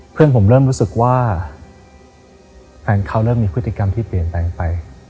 เพื่อนผมเริ่มรู้สึกว่าแฟนเขาเริ่มมีพฤติกรรมที่เปลี่ยนแปลงไป